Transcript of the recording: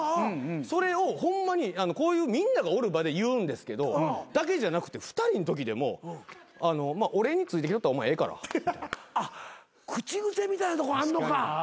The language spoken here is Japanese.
それをホンマにこういうみんながおる場で言うんですけどだけじゃなくて２人のときでも「俺についてきよったらお前ええから」口癖みたいなとこあんのか。